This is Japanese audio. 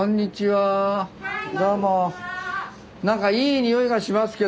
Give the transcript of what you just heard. はい。